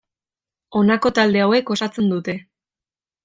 Honako talde hauek osatzen dute.